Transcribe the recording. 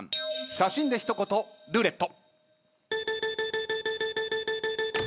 写真で一言ルーレット。